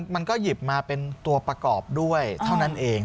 มันก็หยิบมาเป็นตัวประกอบด้วยเท่านั้นเอง